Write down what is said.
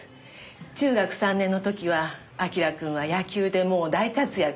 中学３年の時は明君は野球でもう大活躍で。